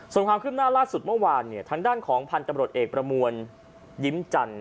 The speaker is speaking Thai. ส่วนความคืบหน้าล่าสุดเมื่อวานทางด้านของพันธุ์ตำรวจเอกประมวลยิ้มจันทร์